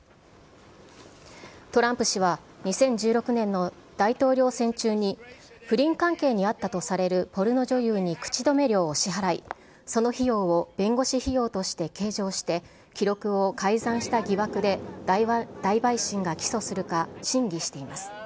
トランプ氏は２０１６年の大統領選中に、不倫関係にあったとされるポルノ女優に口止め料を支払い、その費用を弁護士費用として計上して、記録を改ざんした疑惑で大陪審が起訴するか審議しています。